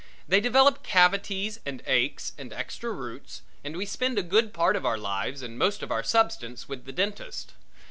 They develop cavities and aches and extra roots and we spend a good part of our lives and most of our substance with the dentist.